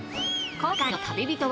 今回の旅人は。